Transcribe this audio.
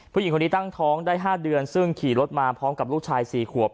ผู้หญิงคนนี้ตั้งท้องได้๕เดือนซึ่งขี่รถมาพร้อมกับลูกชาย๔ขวบ